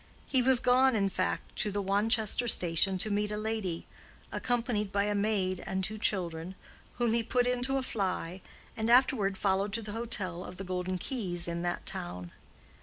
He was gone, in fact, to the Wanchester station to meet a lady, accompanied by a maid and two children, whom he put into a fly, and afterward followed to the hotel of the Golden Keys, in that town.